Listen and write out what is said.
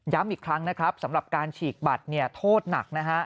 อีกครั้งนะครับสำหรับการฉีกบัตรโทษหนักนะฮะ